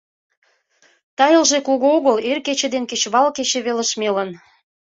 Тайылже кугу огыл, эр кече ден кечывал кече велыш мелын.